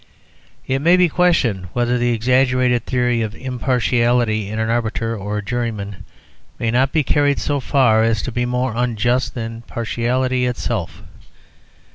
It may be questioned whether the exaggerated theory of impartiality in an arbiter or juryman may not be carried so far as to be more unjust than partiality itself.